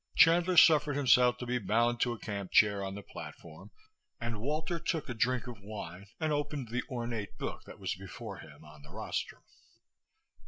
Chandler suffered himself to be bound to a camp chair on the platform and Walter took a drink of wine and opened the ornate book that was before him on the rostrum.